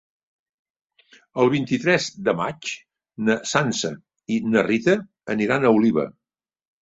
El vint-i-tres de maig na Sança i na Rita aniran a Oliva.